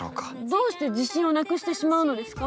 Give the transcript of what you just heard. どうして自信をなくしてしまうのですか？